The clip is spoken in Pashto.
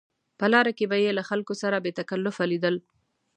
په لاره کې به یې له خلکو سره بې تکلفه لیدل.